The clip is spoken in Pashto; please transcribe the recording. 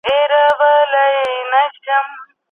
هانمین د کتابونو د پرتلې لپاره یو ماشین جوړ کړ.